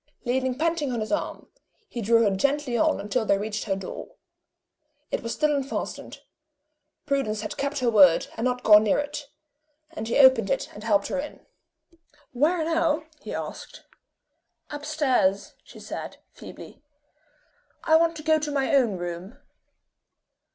Leaning panting on his arm, he drew her gently on until they reached her door. It was still unfastened. Prudence had kept her word, and not gone near it; and he opened it, and helped her in. "Where now?" he asked. "Up stairs," she said, feebly. "I want to go to my own room."